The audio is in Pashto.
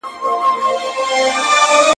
• چي سر دي نه خوږېږي، داغ مه پر ايږده.